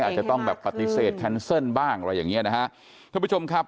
อาจจะต้องแบบปฏิเสธแคนเซิลบ้างอะไรอย่างเงี้ยนะฮะท่านผู้ชมครับ